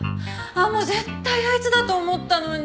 絶対あいつだと思ったのに。